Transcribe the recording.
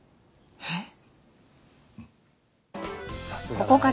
えっ？